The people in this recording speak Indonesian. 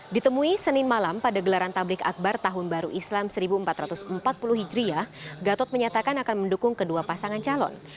ditemui senin malam pada gelaran tablik akbar tahun baru islam seribu empat ratus empat puluh hijriah gatot menyatakan akan mendukung kedua pasangan calon